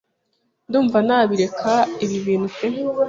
ndumva nabireka ibi binntu pe